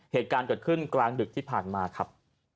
เหตุการณ์เกิดขึ้นกลางดึกที่ผ่านมาครับ